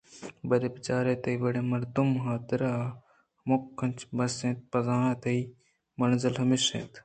بلئے بچار تئی وڑیں مردمے ءِ حاتراہمنچک بس اِنت بزاں تئی منزل ہمیش اِنت